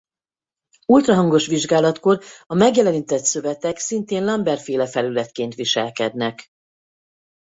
Ultrahangos vizsgálatkor a megjelenített szövetek szintén Lambert-féle felületként viselkednek.